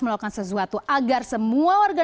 melakukan sesuatu agar semua warga